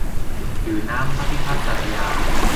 ถือน้ำพระพิพัฒน์สัตยา